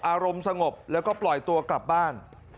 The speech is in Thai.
อารมณ์สงบแล้วก็ปล่อยตัวกลับบ้าน